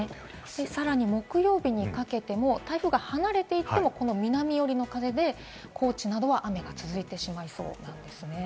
さらに木曜日にかけても、台風が離れていっても、南寄りの風で高知などは雨が続いてしまいそうなんですね。